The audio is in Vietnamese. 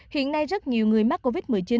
hiện nay rất nhiều người mắc covid một mươi chín